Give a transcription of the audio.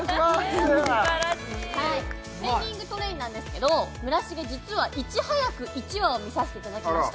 素晴らしい「ペンディングトレイン」なんですけど村重実はいち早く１話を見させていただきました